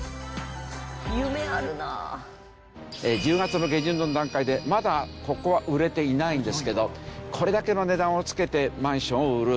「夢あるな」１０月の下旬の段階でまだここは売れていないんですけどこれだけの値段をつけてマンションを売る。